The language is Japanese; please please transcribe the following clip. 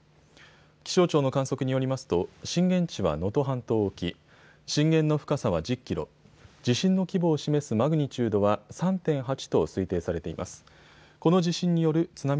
気象庁の観測によりますと震源地は能登半島沖、震源の深さは１０キロ、地震の規模を示すマグニチュードは３．８と推定されています。